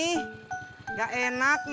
aduh kangen teman teman